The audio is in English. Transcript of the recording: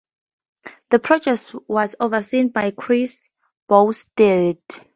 The project was overseen by Kris Boustedt.